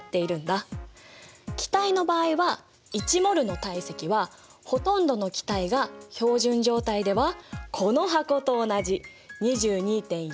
気体の場合は１ｍｏｌの体積はほとんどの気体が標準状態ではこの箱と同じ２２．４Ｌになるんだよ！